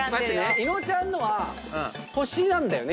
伊野尾ちゃんのは星なんだよね。